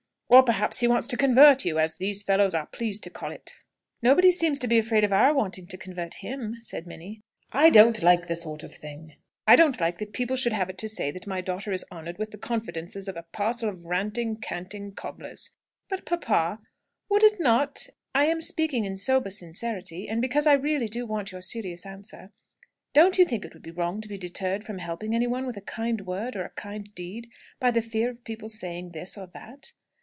Or perhaps he wants to 'convert' you, as these fellows are pleased to call it!" "Nobody seems to be afraid of our wanting to convert him!" said Minnie. "I don't like the sort of thing. I don't like that people should have it to say that my daughter is honoured with the confidences of a parcel of ranting, canting cobblers." "But, papa, would it not I am speaking in sober sincerity, and because I really do want your serious answer don't you think it would be wrong to be deterred from helping anyone with a kind word or a kind deed, by the fear of people saying this or that?"